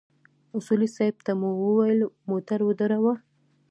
اصولي صیب ته مو وويل موټر ودروه.